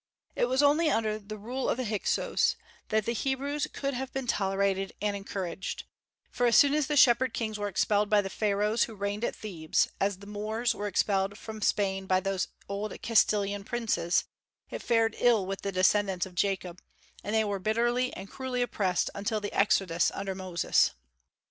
It was only under the rule of the Hyksos that the Hebrews could have been tolerated and encouraged; for as soon as the Shepherd Kings were expelled by the Pharaohs who reigned at Thebes, as the Moors were expelled from Spain by the old Castilian princes, it fared ill with the descendants of Jacob, and they were bitterly and cruelly oppressed until the exodus under Moses.